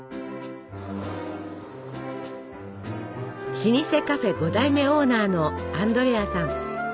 老舗カフェ５代目オーナーのアンドレアさん。